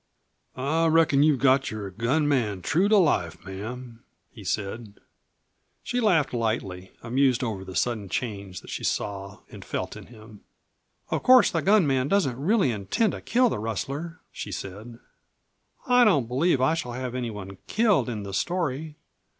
"I reckon you've got your gun man true to life, ma'am," he said. She laughed lightly, amused over the sudden change that she saw and felt in him. "Of course the gun man doesn't really intend to kill the rustler," she said. "I don't believe I shall have any one killed in the story.